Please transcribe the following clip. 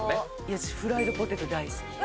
私、フライドポテト大好き。